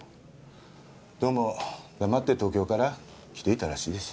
どうも黙って東京から来ていたらしいです。